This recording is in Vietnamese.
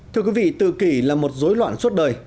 thưa quý vị tự kỷ là một dối loạn suốt đời